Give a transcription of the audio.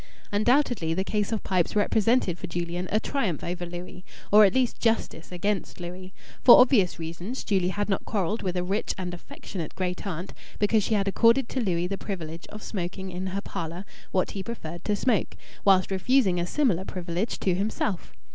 Undoubtedly the case of pipes represented for Julian a triumph over Louis, or, at least, justice against Louis. For obvious reasons Julian had not quarrelled with a rich and affectionate great aunt because she had accorded to Louis the privilege of smoking in her parlour what he preferred to smoke, while refusing a similar privilege to himself.